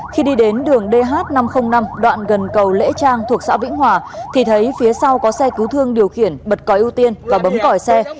khi đi đến đường dh năm trăm linh năm đoạn gần cầu lễ trang thuộc xã vĩnh hòa thì thấy phía sau có xe cứu thương điều khiển bật còi ưu tiên và bấm còi xe